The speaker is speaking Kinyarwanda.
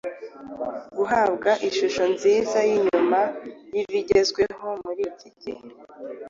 guhabwa ishusho nziza y’inyuma y’ibigezweho muri iki gihe.